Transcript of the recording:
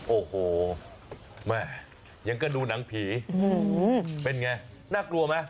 โอ้โหแม่ยังก็ดูหนังผีเป็นไงน่ากลัวไหม